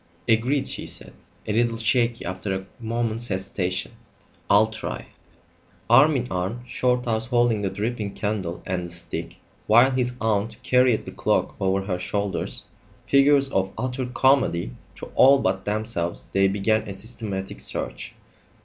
"Agreed," she said, a little shakily, after a moment's hesitation. "I'll try " Arm in arm, Shorthouse holding the dripping candle and the stick, while his aunt carried the cloak over her shoulders, figures of utter comedy to all but themselves, they began a systematic search.